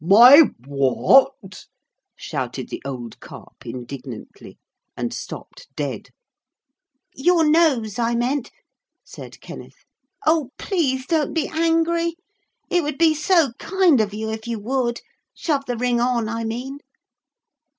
'My what!' shouted the old Carp indignantly and stopped dead. 'Your nose, I meant,' said Kenneth. 'Oh! please don't be angry. It would be so kind of you if you would. Shove the ring on, I mean.'